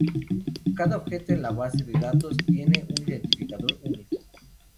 Cada objeto en la base de datos tiene un identificador único.